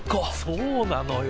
そうなのよ。